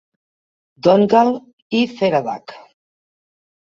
Donngal i Feradach.